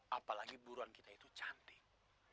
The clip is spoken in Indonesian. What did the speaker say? apalagi buruan kita itu cantik